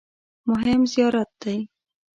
مهم زیارت دی.